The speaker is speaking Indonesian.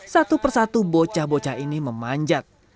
satu persatu bocah bocah ini memanjat